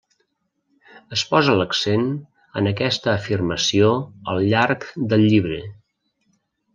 Es posa l'accent en aquesta afirmació al llarg del llibre.